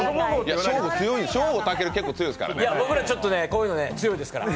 ショーゴ、たける、強いですからね。